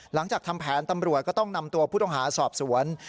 หลังจากทำแผนตำรวจก็ต้องนำตัวผู้ต้องหาสอบสวน